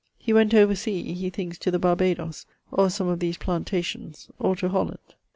He went over sea he thinkes to the Barbadoes, or some of these plantations, or to Holland.